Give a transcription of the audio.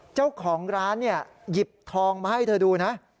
เจ้าของร้านเนี่ยหยิบทองมาให้เธอดูนะ